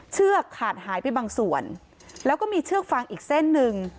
เชือกขาดหายไปบางส่วนแล้วก็มีเชือกฟังอีกเส้นหนึ่ง